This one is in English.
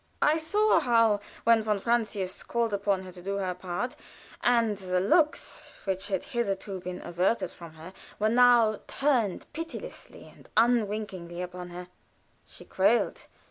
I saw how, when von Francius called upon her to do her part, and the looks which had hitherto been averted from her were now turned pitilessly and unwinkingly upon her, she quailed.